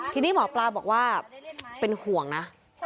ทีนี้หมอปลาบอกว่าเป็นห่วงนะ